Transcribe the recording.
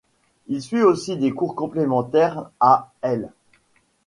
Il suit aussi des cours complémentaires à l'.